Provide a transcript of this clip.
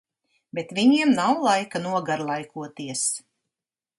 Bet viņiem nav laika nogarlaikoties.